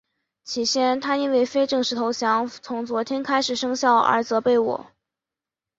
起先他因为非正式投降从昨天开始生效而责备我。